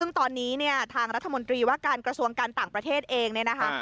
ซึ่งตอนนี้เนี่ยทางรัฐมนตรีว่าการกระทรวงการต่างประเทศเองเนี่ยนะคะ